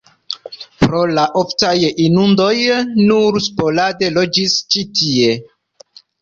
Pro la oftaj inundoj nur sporade loĝis ĉi tie.